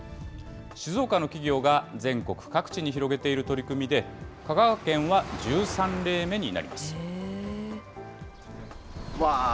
静岡の企業が全国各地に広げている取り組みで、香川県は１３例目になります。